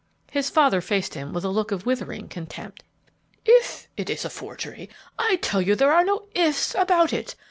His father faced him with a look of withering contempt. "'If' it is a forgery! I tell you there are no 'ifs' about it.